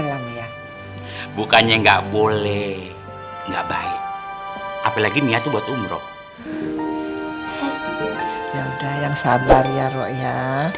lam ya bukannya nggak boleh nggak baik apalagi niat buat umroh ya udah yang sabar ya rok ya